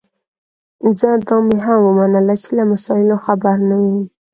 ځه دا مي هم ومنله چي له مسایلو خبر نه وې